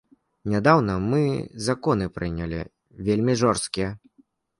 Нядаўна мы законы прынялі вельмі жорсткія.